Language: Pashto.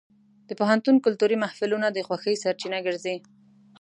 د پوهنتون کلتوري محفلونه د خوښۍ سرچینه ګرځي.